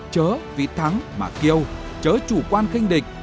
chớ vì thắng mà kêu chớ chủ quan khinh địch